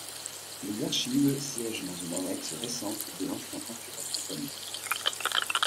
Les archives siègent dans une annexe récente de l'ancien consulat britannique.